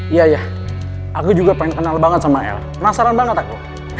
iya ya aku juga pengen kenal banget sama el penasaran banget aku